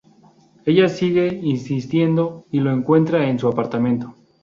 Ella sigue insistiendo y lo encuentra en su apartamento.